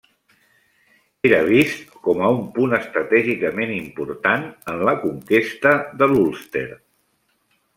Era vist com a un punt estratègicament important en la conquesta de l'Ulster.